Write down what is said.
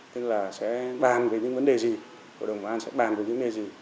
tức là sẽ bàn với những vấn đề gì hội đồng bảo an sẽ bàn với những vấn đề gì